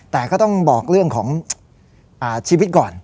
แต่ก็ต้องบอกเรื่องของชีวิตก่อน